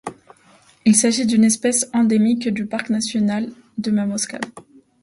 Il s'agit d'une espèce endémique du parc national de Mammoth Cave.